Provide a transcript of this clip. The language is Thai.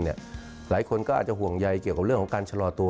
หลายคนก็อาจจะห่วงใยเกี่ยวกับเรื่องของการชะลอตัว